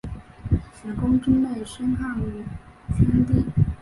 史恭之妹生汉宣帝。